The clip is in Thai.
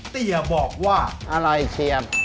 เตี๋ยวบอกว่าอร่อยเชียบ